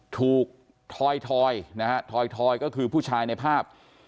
ถูกทอยทอยนะฮะทอยทอยก็คือผู้ชายในภาพ